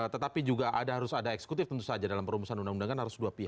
tetapi juga harus ada eksekutif tentu saja dalam perumusan undang undang kan harus dua pihak